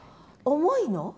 重いの？